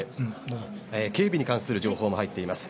警備に関する情報も入っています。